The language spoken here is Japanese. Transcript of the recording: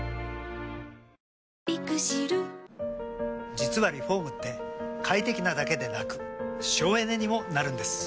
実はリフォームって快適なだけでなく省エネにもなるんです。